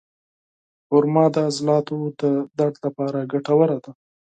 خرما د عضلاتو د درد لپاره ګټوره ده.